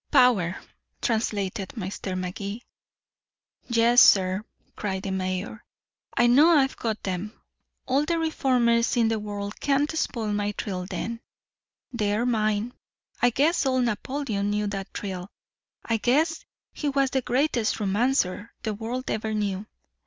"Power," translated Mr. Magee. "Yes, sir," cried the mayor. "I know I've got them. All the reformers in the world can't spoil my thrill then. They're mine. I guess old Napoleon knew that thrill. I guess he was the greatest romancer the world ever knew.